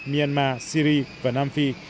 myanmar syri và nam phi